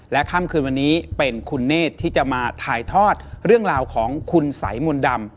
ค่ำคืนวันนี้เป็นคุณเนธที่จะมาถ่ายทอดเรื่องราวของคุณสายมนต์ดำ